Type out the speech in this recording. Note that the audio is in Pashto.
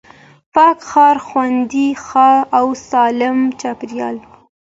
پاک ښار، خوندي ښار او سالم چاپېريال